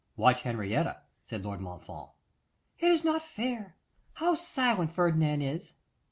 'Watch Henrietta,' said Lord Montfort. 'It is not fair. How silent Ferdinand is!